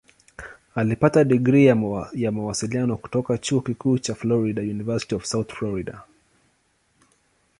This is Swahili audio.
Alipata digrii ya Mawasiliano kutoka Chuo Kikuu cha Florida "University of South Florida".